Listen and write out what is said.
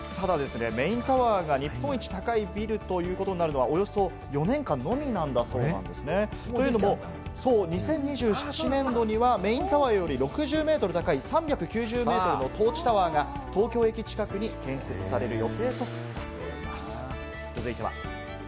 ただですね、メインタワーが日本一高いビルということになるのは、およそ４年間のみなんだそうですね。というのも、２０２７年度にはメインタワーよりも６０メートル高い３９０メートルのトーチタワーが東京駅近くに建設される予定となっています。